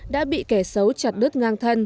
đã bị kẻ xấu chặt đứt ngang thân